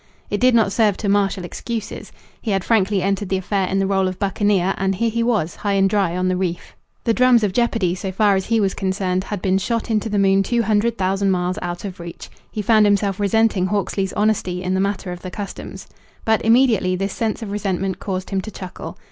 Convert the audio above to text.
It did not serve to marshal excuses. He had frankly entered the affair in the role of buccaneer; and here he was, high and dry on the reef. The drums of jeopardy, so far as he was concerned, had been shot into the moon two hundred thousand miles out of reach. He found himself resenting Hawksley's honesty in the matter of the customs. But immediately this sense of resentment caused him to chuckle.